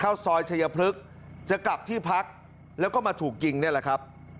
เข้าซอยชายพลึกจะกลับที่พักแล้วก็มาถูกยิงนี่แหละครับ